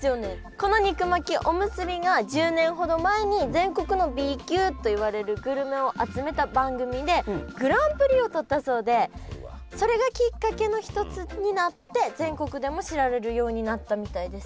この肉巻きおむすびが１０年ほど前に全国のＢ級といわれるグルメを集めた番組でグランプリを取ったそうでそれがきっかけの一つになって全国でも知られるようになったみたいです。